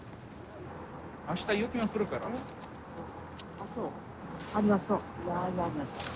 あそうありがとう。